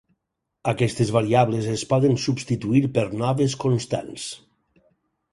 Aquestes variables es poden substituir per noves constants.